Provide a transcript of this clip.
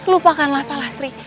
lupakanlah pak lasri